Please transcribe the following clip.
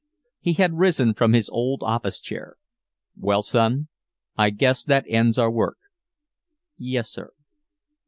He had risen from his old office chair: "Well, son, I guess that ends our work." "Yes, sir."